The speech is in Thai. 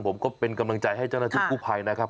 ผมก็เป็นกำลังใจให้เจ้าหน้าที่กู้ภัยนะครับ